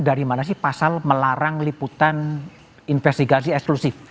dari mana sih pasal melarang liputan investigasi eksklusif